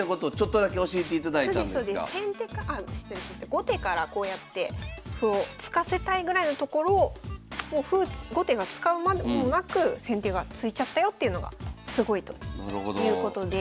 後手からこうやって歩を突かせたいぐらいのところを歩後手が使うまでもなく先手が突いちゃったよっていうのがすごいということで。